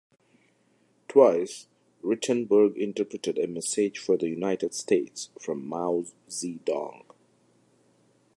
Twice, Rittenberg interpreted a message for the United States from Mao Zedong.